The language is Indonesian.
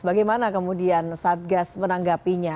bagaimana kemudian satgas menanggapinya